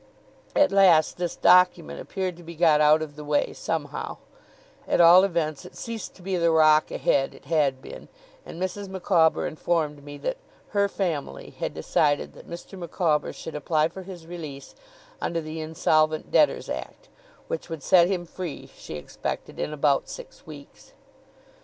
At last this document appeared to be got out of the way, somehow; at all events it ceased to be the rock ahead it had been; and Mrs. Micawber informed me that 'her family' had decided that Mr. Micawber should apply for his release under the Insolvent Debtors Act, which would set him free, she expected, in about six weeks.